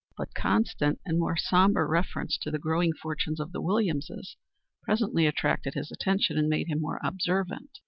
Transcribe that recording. But constant and more sombre reference to the growing fortunes of the Williamses presently attracted his attention and made him more observant.